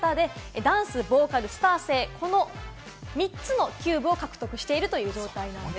今、一番多い方でダンス、ボーカル、スター性、この３つのキューブを獲得しているという状態なんです。